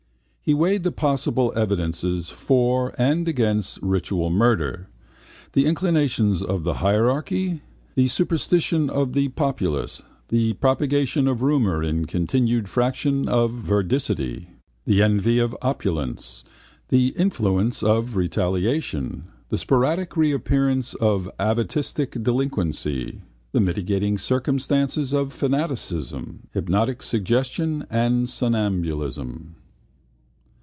He weighed the possible evidences for and against ritual murder: the incitations of the hierarchy, the superstition of the populace, the propagation of rumour in continued fraction of veridicity, the envy of opulence, the influence of retaliation, the sporadic reappearance of atavistic delinquency, the mitigating circumstances of fanaticism, hypnotic suggestion and somnambulism.